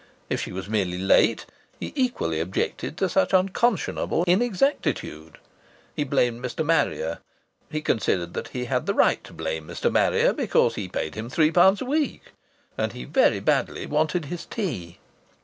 If she was merely late, he equally objected to such unconscionable inexactitude. He blamed Mr. Marrier. He considered that he had the right to blame Mr. Marrier because he paid him three pounds a week. And he very badly wanted his tea.